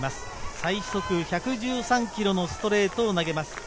最速１１３キロのストレートを投げます。